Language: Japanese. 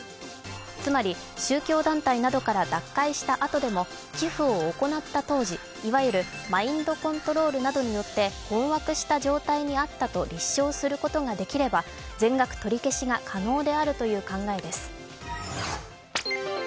つまり、宗教団体などから脱会したあとでも、寄付を行った当時いわゆるマインドコントロールなどによって困惑した状態にあったと立証することができれば全額取り消しが可能であるという考えです。